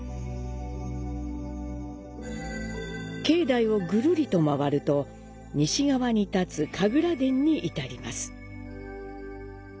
境内をぐるりと回ると西側に建つ「神楽殿」に至ります。